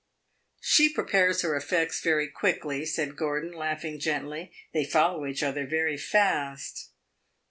"She prepares her effects very quickly," said Gordon, laughing gently. "They follow each other very fast!"